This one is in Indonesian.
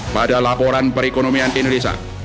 pada laporan perekonomian indonesia